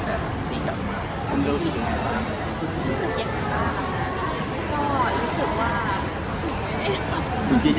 เพราะว่าคนก็จะคิดว่าเออมันคนทำอะไรแบบนี้